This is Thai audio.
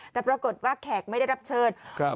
แต่ปรากฏว่าแขกไม่ได้รับเชิญครับ